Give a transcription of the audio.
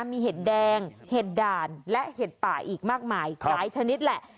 มีเห็ดแดงเห็ดด่านและเห็ดป่าอีกมากมายหลายชนิดแหละ